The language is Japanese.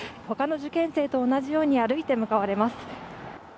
他の受験生と同じように歩いて向かわれます。